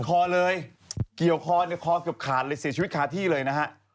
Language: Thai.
คอเลยเกี่ยวคอเนี่ยคอเกือบขาดเลยเสียชีวิตคาที่เลยนะฮะ